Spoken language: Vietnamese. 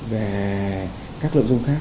về các lợi dụng khác